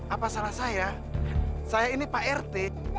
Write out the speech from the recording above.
apa salah saya saya ini pak rt